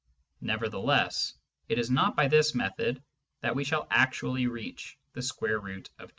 Nevertheless, it is not by this method that we shall actually reach the square root of 2.